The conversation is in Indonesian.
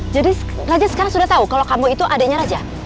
raja sekarang sudah tahu kalau kamu itu adanya raja